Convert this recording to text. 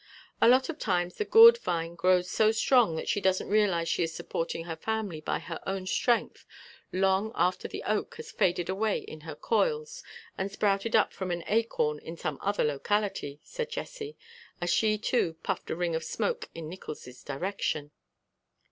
"A lot of times the gourd vine grows so strong that she doesn't realize she is supporting her family by her own strength long after the oak has faded away in her coils and sprouted up from an acorn in some other locality," said Jessie, as she, too, puffed a ring of smoke in Nickols' direction.